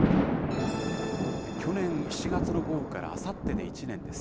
去年７月の豪雨からあさってで１年です。